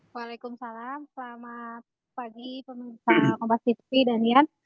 waalaikumsalam selamat pagi pemirsa kompastv danian